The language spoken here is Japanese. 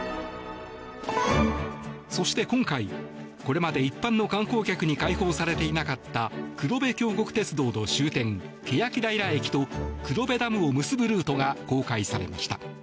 そして今回、これまで一般の観光客に開放されていなかった黒部峡谷鉄道の終点、欅平駅と黒部ダムを結ぶルートが公開されました。